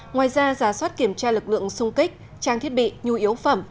ngoài ra giả soát kiểm tra lực lượng sung kích trang thiết bị nhu yếu phẩm